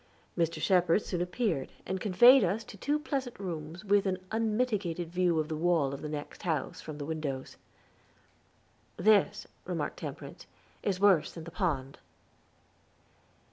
Mr. Shepherd soon appeared, and conveyed us to two pleasant rooms with an unmitigated view of the wall of the next house from the windows. "This," remarked Temperance, "is worse than the pond."